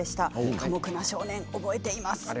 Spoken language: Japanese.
寡黙な少年を覚えています。